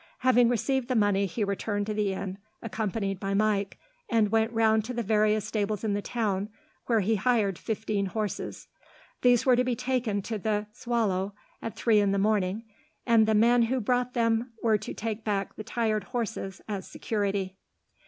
Having received the money, he returned to the inn, accompanied by Mike; and went round to the various stables in the town, where he hired fifteen horses. These were to be taken to the Soleil, at three in the morning, and the men who brought them were to take back the tired horses as security.